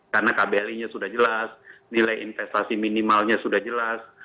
karena kbli nya sudah jelas nilai investasi minimalnya sudah jelas